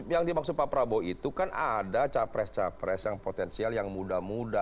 yang dimaksud pak prabowo itu kan ada capres capres yang potensial yang muda muda